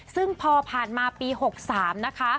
ซึ่งพอผ่านมาปี๖๓นะคะ